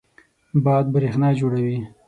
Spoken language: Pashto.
باد برېښنا جوړوي.